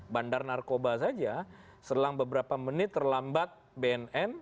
bandar narkoba saja selang beberapa menit terlambat bnn